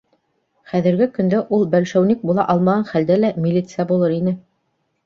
Хәҙерге көндә ул бәлшәүник була алмаған хәлдә лә, милитсә булыр ине.